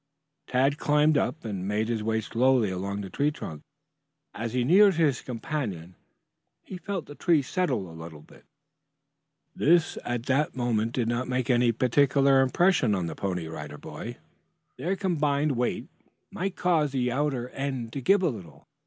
Tad climbed up and made his way slowly along the tree trunk. As he neared his companion, he felt the tree settle a little. This at the moment did not make any particular impression on the Pony Rider Boy. Their combined weight might cause the outer end to give a little.